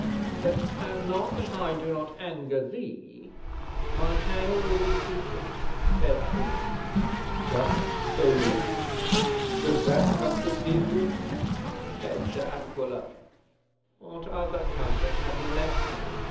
'"But so long as I do not anger thee, my tale will be secret?" said Fulke. '"Just so long. Does that comfort thee, Fulke?" said De Aquila. '"What other comfort have ye left me?"